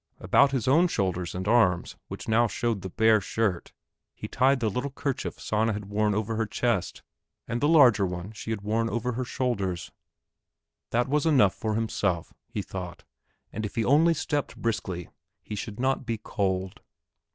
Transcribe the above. About his own shoulders and arms which now showed the bare shirt he tied the little kerchief Sauna had worn over her chest and the larger one she had had over her shoulders. That was enough for himself, he thought, and if he only stepped briskly he should not be cold.